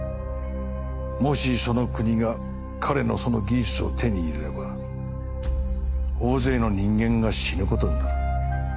もしその国が彼のその技術を手に入れれば大勢の人間が死ぬ事になる。